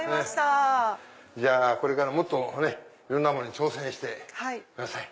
これからもっといろんなものに挑戦してください。